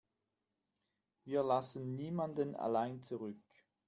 Wir lassen niemanden allein zurück.